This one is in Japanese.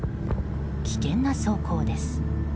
危険な走行です。